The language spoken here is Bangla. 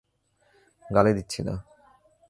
গালি দিচ্ছি না।